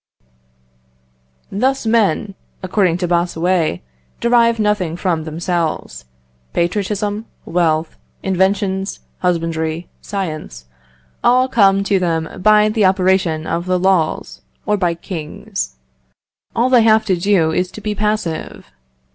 Thus men, according to Bossuet, derive nothing from themselves; patriotism, wealth, inventions, husbandry, science all come to them by the operation of the laws, or by kings. All they have to do is to be passive.